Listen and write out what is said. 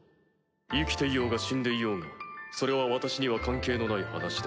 生きていようが死んでいようがそれは私には関係のない話だ。